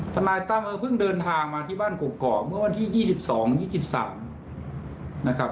ทนายตั้มเออเพิ่งเดินทางมาที่บ้านกรอกเมื่อวันที่๒๒๒๓นะครับ